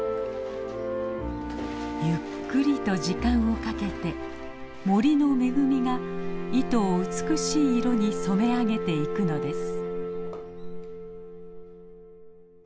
ゆっくりと時間をかけて森の恵みが糸を美しい色に染めあげていくのです。